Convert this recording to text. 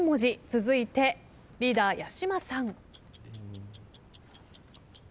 続いてリーダー八嶋さん。